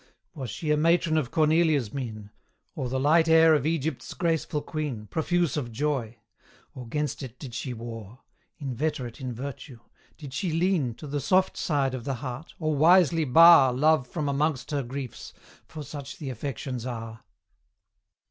Was she a matron of Cornelia's mien, Or the light air of Egypt's graceful queen, Profuse of joy; or 'gainst it did she war, Inveterate in virtue? Did she lean To the soft side of the heart, or wisely bar Love from amongst her griefs? for such the affections are.